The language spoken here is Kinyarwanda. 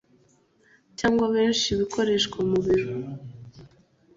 cyangwa benshi ikoreshwa mu mirimo